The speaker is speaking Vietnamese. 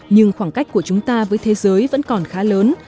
nhưng khoảng cách của chúng ta với thế giới vẫn còn khá lớn